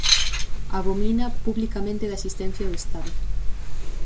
Abomina publicamente da existencia do estado.